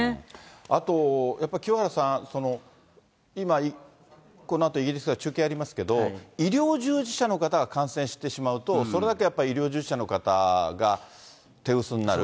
あと、やっぱり清原さん、今、このあとイギリスから中継ありますけど、医療従事者の方が感染してしまうと、それだけやっぱり医療従事者の方が手薄になる。